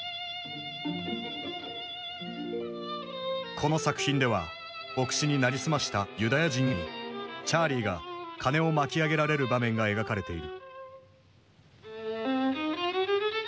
この作品では牧師に成り済ましたユダヤ人にチャーリーが金を巻き上げられる場面が描かれている。